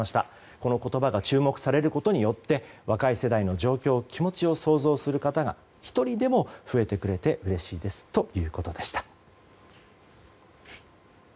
この言葉が注目されることによって若い世代の状況、気持ちを想像する方が１人でも増えてくれてうれしいですということでした。